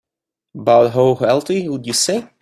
About how wealthy would you say?